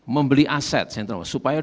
membeli aset saya nama supaya